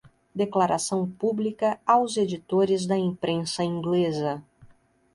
Declaração Pública aos Editores da Imprensa Inglesa